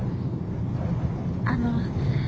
あの。